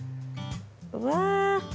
うわ。